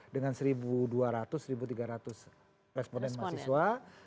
dengan seribu dua ratus seribu tiga ratus responden mahasiswa